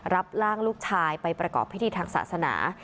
รับร่างลูกชายไปประกอบพิธีทางศาสนา